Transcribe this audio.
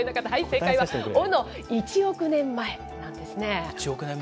正解はオの１億年前なんですね。